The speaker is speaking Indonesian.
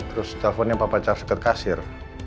terus telponnya papa car segat kasir